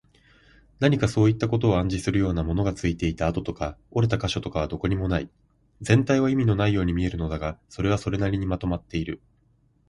何かそういったことを暗示するような、ものがついていた跡とか、折れた個所とかはどこにもない。全体は意味のないように見えるのだが、それはそれなりにまとまっている。